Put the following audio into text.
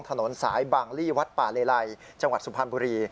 ถนนสายบางลี่วัดป่าเลไลจังหวัดสุพรรณบุรี